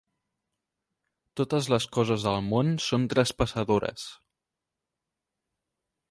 Totes les coses del món són traspassadores.